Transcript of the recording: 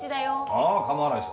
ああ構わないさ。